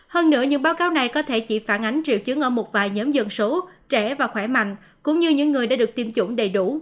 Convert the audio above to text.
hơn nữa những báo cáo này có thể chỉ phản ánh triệu chứng ở một vài nhóm dân số trẻ và khỏe mạnh cũng như những người đã được tiêm chủng đầy đủ